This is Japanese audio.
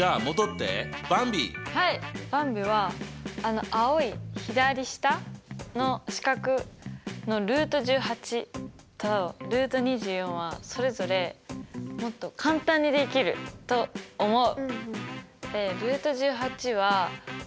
ばんびはあの青い左下の四角のとはそれぞれもっと簡単にできると思う。